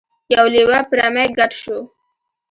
یو لیوه په رمې ګډ شو.